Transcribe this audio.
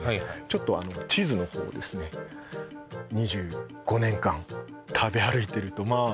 ちょっと地図の方をですね２５年間食べ歩いてるとまあ